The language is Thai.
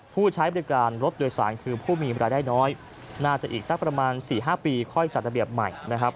ผู้ใช้บริการรถโดยสารคือผู้มีรายได้น้อยน่าจะอีกสักประมาณ๔๕ปีค่อยจัดระเบียบใหม่นะครับ